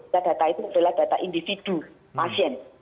dan data itu adalah data individu pasien